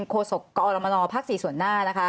โศกกรมนภ๔ส่วนหน้านะคะ